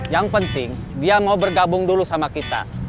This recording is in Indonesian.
yang penting dia mau bergabung dulu sama kita